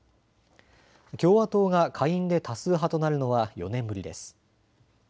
共和党が下院で多数派となるのは４年ぶりです。